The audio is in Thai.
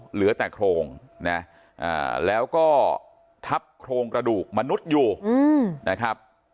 เหลือแต่โครงนะแล้วก็ทับโครงกระดูกมนุษย์อยู่นะครับ